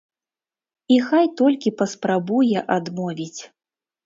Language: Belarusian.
І хай толькі паспрабуе адмовіць.